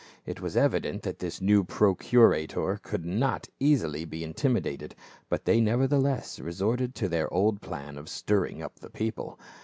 It was evident that this new procurator could not easily be intimidated, but they nevertheless resorted to their old plan of ''stirring up the people."